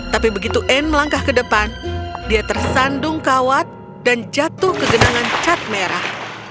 tapi begitu anne melangkah ke depan dia tersandung kawat dan jatuh ke genangan cat merah